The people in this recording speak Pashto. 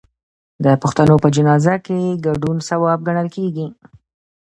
د پښتنو په جنازه کې ګډون ثواب ګڼل کیږي.